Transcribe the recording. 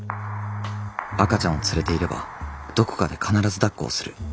赤ちゃんを連れていればどこかで必ずだっこをする。